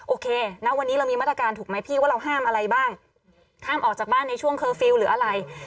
โอเคนะวันนี้เรามีมาตรการถูกไหมพี่ว่าเราห้ามอะไรบ้างห้ามออกจากบ้านในช่วงเคอร์ฟิลล์หรืออะไร